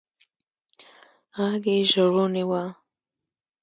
ږغ يې ژړغونى و.